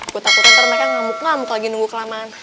gua takut ntar mereka ngamuk ngamuk lagi nunggu kelamaan